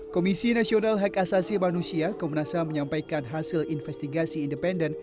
komisi nasional hak asasi manusia komnas ham menyampaikan hasil investigasi independen